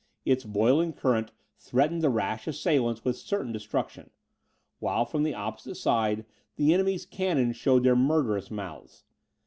Its boiling current threatened the rash assailants with certain destruction, while from the opposite side the enemy's cannon showed their murderous mouths.